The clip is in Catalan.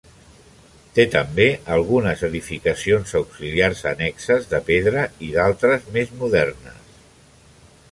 Té també algunes edificacions auxiliars annexes de pedra i d'altres més modernes.